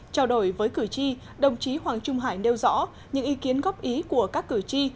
trao đổi với cử tri đồng chí hoàng trung hải nêu rõ những ý kiến góp ý của các cử tri